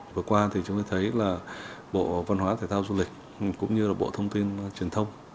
vừa qua thì chúng tôi thấy là bộ văn hóa thể thao du lịch cũng như là bộ thông tin truyền thông